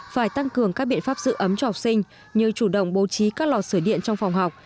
phải tăng cường các biện pháp giữ ấm cho học sinh như chủ động bố trí các lò sửa điện trong phòng học